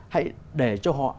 hãy để cho họ